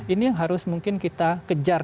ini yang harus mungkin kita kejar